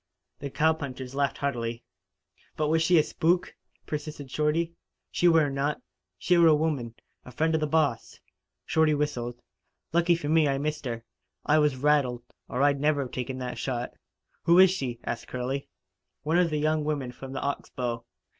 The cowpunchers laughed heartily. "But was she a spook?" persisted Shorty. "She were not. She were a woman a friend of the boss." Shorty whistled. "Lucky for me I missed her. I was rattled, or I'd never taken that shot." "Who is she?" asked Curley. "One of the young women from the Ox Bow.